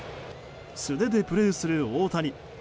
素手でプレーする大谷。